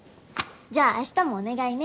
じゃああしたもお願いね。